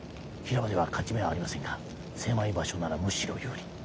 平場では勝ち目はありませんが狭い場所ならむしろ有利。